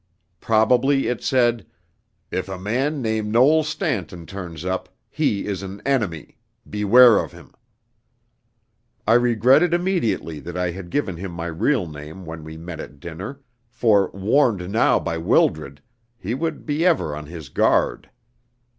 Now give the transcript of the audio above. Probably it said, "If a man named Noel Stanton turns up, he is an enemy beware of him." I regretted immediately that I had given him my real name when we met at dinner, for, warned now by Wildred, he would be ever on his guard.